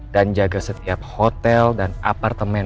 dan jaga setiap hotel dan apartemen